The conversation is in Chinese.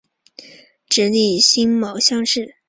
直隶辛卯乡试。